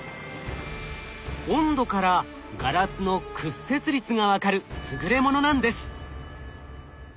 温度からガラスの屈折率が分かる優れものなんです。